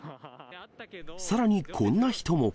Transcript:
さらにこんな人も。